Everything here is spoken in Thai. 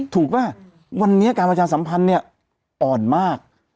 ป่ะวันนี้การประชาสัมพันธ์เนี่ยอ่อนมาก